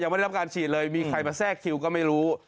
ไม่ได้รับการฉีดเลยมีใครมาแทรกคิวก็ไม่รู้